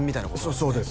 そうです